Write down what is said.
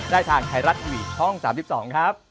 ได้ทางไทยรัฐทวีดีโอช่อง๓๒ครับ